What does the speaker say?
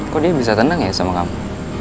kok dia bisa tenang ya sama kamu